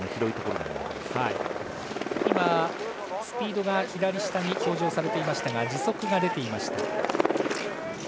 スピードが左下に表示されていましたが時速が出ていました。